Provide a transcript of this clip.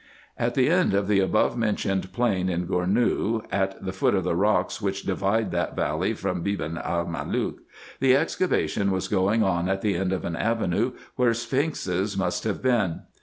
At the end of the above mentioned plain in Gournou, at the foot of the rocks which divide that valley from Beban el Malook, the excavation was going on at the end of an avenue where sphinxes must have been.